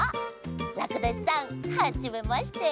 らくだしさんはじめまして。